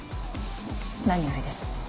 何よりです。